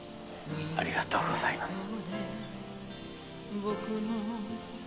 ありがとうございます。